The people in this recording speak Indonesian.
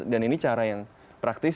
dan ini cara yang praktis